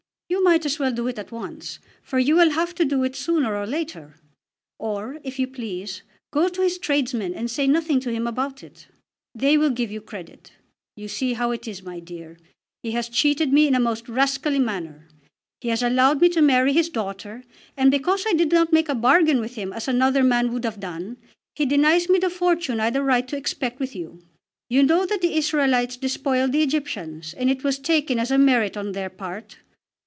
You might as well do it at once, for you will have to do it sooner or later. Or, if you please, go to his tradesmen and say nothing to him about it. They will give you credit. You see how it is, my dear. He has cheated me in a most rascally manner. He has allowed me to marry his daughter, and because I did not make a bargain with him as another man would have done, he denies me the fortune I had a right to expect with you. You know that the Israelites despoiled the Egyptians, and it was taken as a merit on their part.